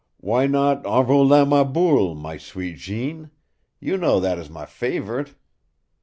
"Why not En Roulant ma Boule, my sweet Jeanne? You know that is my favorite."